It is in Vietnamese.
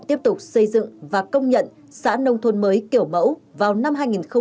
tiếp tục xây dựng và công nhận xã nông thôn mới kiểu mẫu vào năm hai nghìn hai mươi